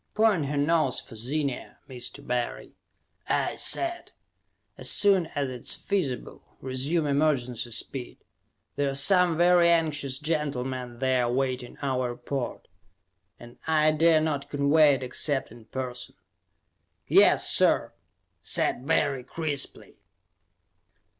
"Point her nose for Zenia, Mr. Barry," I said. "As soon as it is feasible, resume emergency speed. There are some very anxious gentlemen there awaiting our report, and I dare not convey it except in person." "Yes, sir!" said Barry crisply.